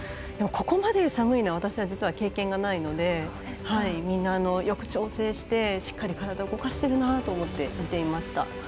ここまで、寒いのは私は実は経験がないのでみんな、よく調整して、しっかり体を動かしてるなと思って見ていました。